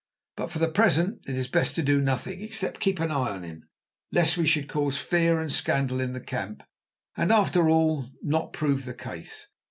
But for the present it is best to do nothing, except keep an eye on him, lest we should cause fear and scandal in the camp, and, after all, not prove the case.